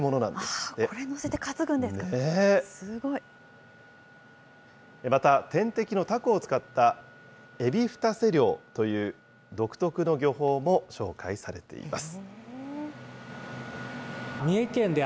これ載せて担ぐんですか、すまた、天敵のタコを使ったエビフタセ漁という独特の漁法も紹介されています。